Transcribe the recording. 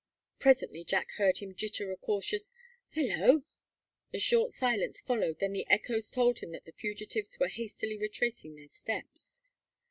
Presently Jack heard him jitter a cautious "hullo." A short silence followed then the echoes told him that the fugitives were hastily retracing their steps.